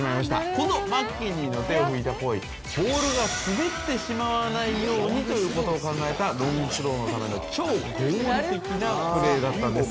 このマッケニーの手を拭いた行為ボールが滑ってしまわないようにということを考えたロングスローのための超合理的なプレーだったんです。